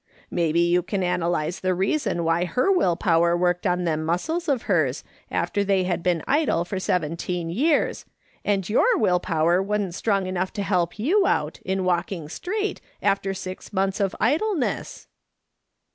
Maybe you can analyse the reason why her will power worked on them muscles of hers after they had been idle for seventeen years, and your will power wasn't strong enough to help you out, in walking straight, after six montlis of idleness.